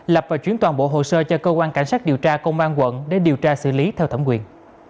lập và chuyển toàn bộ hồ sơ cho cơ quan cảnh sát điều tra công an quận để điều tra xử lý theo thẩm quyền